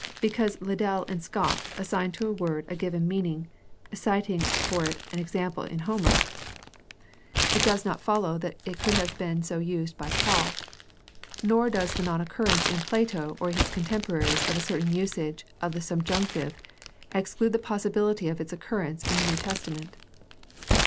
Because Liddell and Scott assign to a word a given meaning, citing for it an example in Homer, it does not follow 212 GUIDE TO STUDY OF CHRISTIAN RELIGION that it could have been so used by Paul; nor does the non occurrence in Plato or his contemporaries of a certain usage of the subjunctive exclude the possibility of its occurrence in the New Testament.